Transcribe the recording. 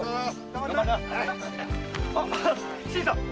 あ新さん。